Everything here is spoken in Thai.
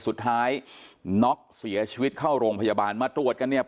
สุดท้ายน็อกเสียชีวิตเข้าโรงพยาบาลมาตรวจกันเนี่ย